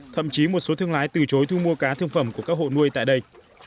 thậm chí một số thương lái từ chối thu mua cá thương phẩm của các hộ nuôi tại đây